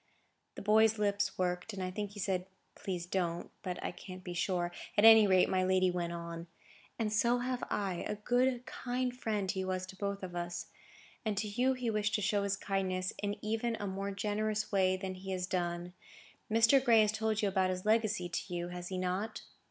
The boy's lips worked, and I think he said, "Please, don't." But I can't be sure; at any rate, my lady went on: "And so have I,—a good, kind friend, he was to both of us; and to you he wished to show his kindness in even a more generous way than he has done. Mr. Gray has told you about his legacy to you, has he not?"